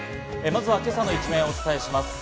まずは今朝の一面をお伝えします。